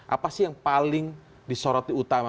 apa sih yang paling disorot di utama